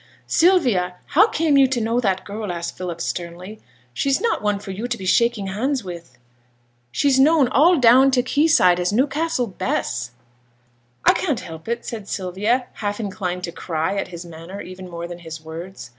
'Sylvia, how came you to know that girl?' asked Philip, sternly. 'She's not one for you to be shaking hands with. She's known all down t' quay side as "Newcastle Bess."' 'I can't help it,' said Sylvia, half inclined to cry at his manner even more than his words.